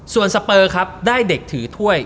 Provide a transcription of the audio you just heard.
ส่วนสเปอร์ครับได้เด็กถือถ้วย